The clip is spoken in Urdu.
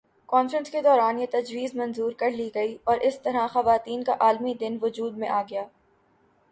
کانفرنس کے دوران یہ تجویز منظور کر لی گئی اور اس طرح خواتین کا عالمی دن وجود میں آگیا